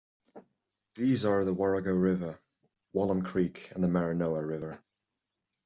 These are the Warrego River, Wallam Creek and the Maranoa River.